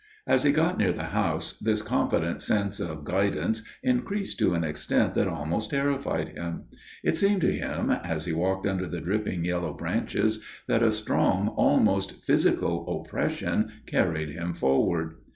As he got near the house this confident sense of guidance increased to an extent that almost terrified him. It seemed to him, as he walked under the dripping yellow branches, that a strong, almost physical, oppression carried him forward.